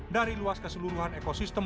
dari luas keseluruhan ekosistem